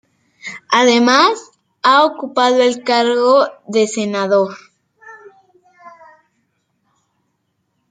Además, ha ocupado el cargo de senador.